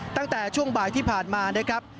ตั้งแต่ช่วงบ่ายที่ผ่านมานะครับ